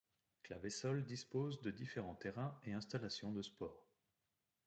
Claveisolles dispose de différents terrains et installations de sport.